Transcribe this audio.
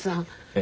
え？